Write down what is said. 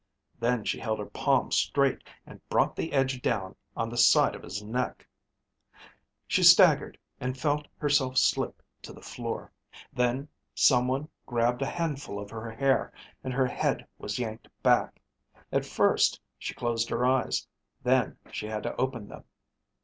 Then she held her palm straight and brought the edge down on the side of his neck. She staggered and she felt herself slip to the floor. Then someone grabbed a handful of her hair and her head was yanked back. At first she closed her eyes. Then she had to open them.